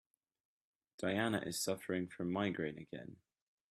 Diana is suffering from migraine again.